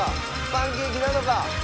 パンケーキなのか？